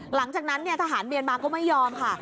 หลังจากนั้นทหารเมียนมาก็ไม่ยอมค่ะ